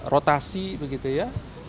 rotasi begitu ya